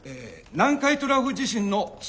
南海トラフ地震の想定